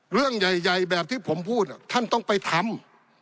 เรื่องใหญ่แบบที่ผมพูดท่านต้องไปทำ